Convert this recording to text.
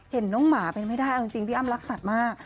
เห็นน้องหมาเป็นไม่ได้เอาจริงพี่อ้ำรักสัตว์มาก